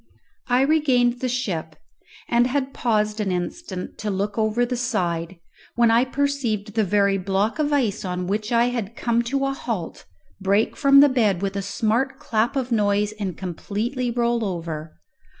I regained the ship, and had paused an instant to look over the side, when I perceived the very block of ice on which I had come to a halt break from the bed with a smart clap of noise, and completely roll over.